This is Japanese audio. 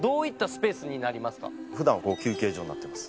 普段ここ休憩所になってます。